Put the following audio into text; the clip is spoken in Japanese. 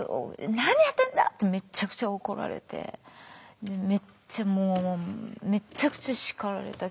「何やってんだ！」ってめちゃくちゃ怒られてめっちゃもうめちゃくちゃ叱られた記憶が。